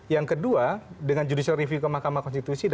yang kedua dengan judicial review ke mahkamah konstitusi